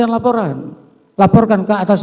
inilah sebuah pandangnya sebagai